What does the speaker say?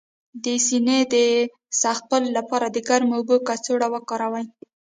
د سینې د سختوالي لپاره د ګرمو اوبو کڅوړه وکاروئ